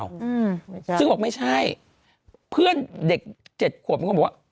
อืมไม่ใช่ซึ่งบอกไม่ใช่เพื่อนเด็กเจ็ดขวบเป็นคนบอกว่า